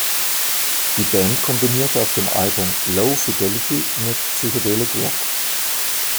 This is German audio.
Die Band kombinierte auf dem Album Low Fidelity mit Psychedelic Rock.